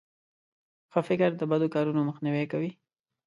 ښه فکر د بدو کارونو مخنیوی کوي.